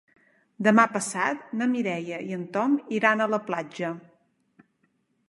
Demà passat na Mireia i en Tom iran a la platja.